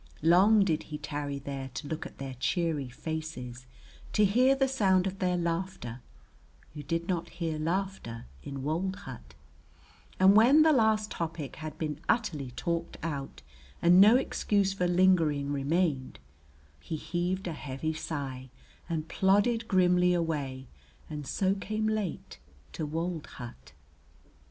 Long did he tarry there to look at their cheery faces, to hear the sound of their laughter you did not hear laughter in wold hut and when the last topic had been utterly talked out and no excuse for lingering remained he heaved a heavy sigh and plodded grimly away and so came late to wold hut.